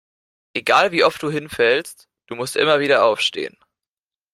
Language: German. Egal wie oft du hinfällst, du musst immer wieder aufstehen.